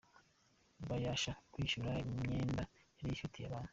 yabasha kwishyura imyenda yari afitiye abantu.